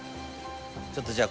ちょっとじゃあ